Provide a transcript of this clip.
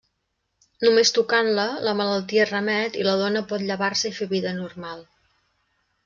Només tocant-la, la malaltia remet i la dona pot llevar-se i fer vida normal.